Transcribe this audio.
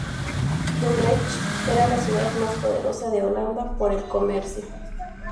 Dordrecht era la ciudad más poderosa de Holanda por el comercio.